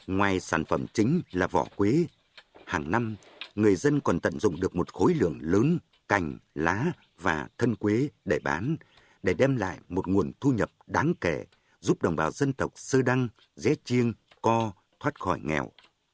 ngoài sản phẩm chính là vỏ quế hàng năm người dân còn tận dụng được một khối lượng lớn cành lá và thân quế để bán để đem lại một nguồn thu nhập đáng kể giúp đồng bào dân tộc sơ đăng dễ chiêng co thoát khỏi nghèo